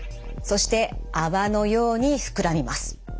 そして泡のように膨らみます。